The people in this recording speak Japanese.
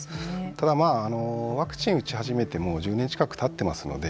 ただ、ワクチンを打ち始めてももう、１０年近くたってますので。